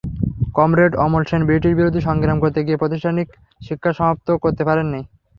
Comrade Amal Sen ব্রিটিশবিরোধী সংগ্রাম করতে গিয়ে প্রাতিষ্ঠানিক শিক্ষা সমাপ্ত করতে পারেননি।